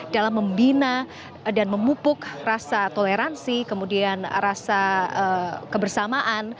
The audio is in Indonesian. dalam membina dan memupuk rasa toleransi kemudian rasa kebersamaan